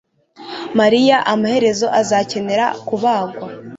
mariya amaherezo azakenera kubagwa